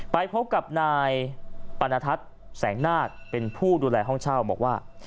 ไปพบกับนายปรณทัศน์แสงนาคเป็นผู้ดูแลห้องเช่าบอกว่า